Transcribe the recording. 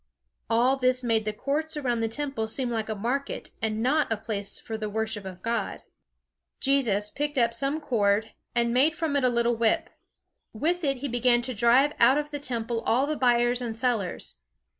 All this made the courts around the Temple seem like a market, and not a place for the worship of God. [Illustration: "Take these things away"] Jesus picked up some cord and made from it a little whip. With it he began to drive out of the Temple all the buyers and sellers.